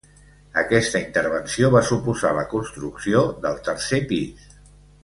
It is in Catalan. Aquesta intervenció va suposar la construcció del tercer pis.